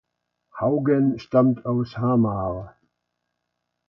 Haugen stammt aus Hamar.